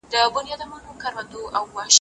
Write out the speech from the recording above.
تاسو به د خپل ژوند لپاره ښه خاطرات جوړوئ.